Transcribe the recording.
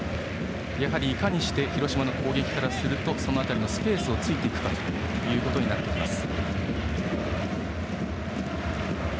やはり、いかにして広島の攻撃からするとその辺りのスペースをつくかということになっていきます。